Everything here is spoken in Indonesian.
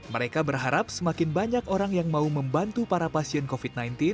mereka berharap semakin banyak orang yang mau membantu para pasien covid sembilan belas